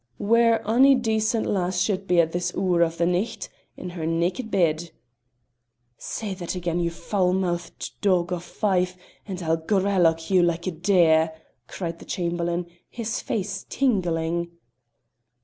"Whaur ony decent lass should be at this 'oor o' the nicht in her naked bed." "Say that again, you foul mouthed dog o' Fife, and I'll gralloch you like a deer!" cried the Chamberlain, his face tingling.